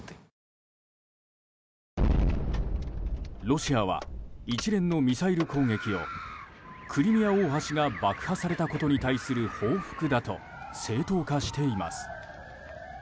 ロシアは一連のミサイル攻撃をクリミア大橋が爆破されたことに対する報復だと正当化しています。